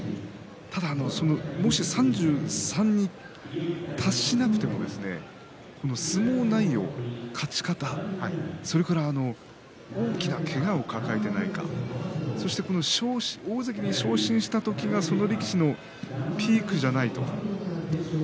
ただ、もし３３に、届かなくても相撲内容、あるいは勝ち方あるいは大きなけがを抱えていないかそして大関に昇進した時にその力士のピークではないと。